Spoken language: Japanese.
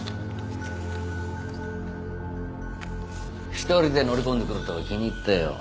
一人で乗り込んでくるとは気に入ったよ。